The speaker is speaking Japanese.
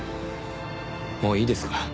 もういいですか？